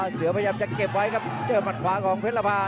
เสือพยายามจะเก็บไว้ครับเจอปันขวาของเผ็ดละพา